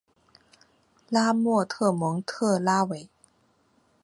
拉莫特蒙特拉韦。